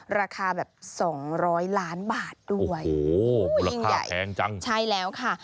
ราคาแบบสองร้อยล้านบาทด้วยโอ้โหมูลค่าแพงจังใช่แล้วค่ะ